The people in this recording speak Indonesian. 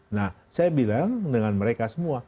nah saya bilang dengan mereka semua